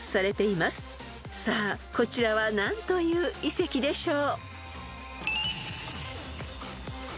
［さあこちらは何という遺跡でしょう？］